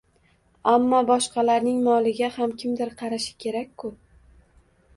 Ammo boshqalarning moliga ham kimdir qarashi kerak-ku.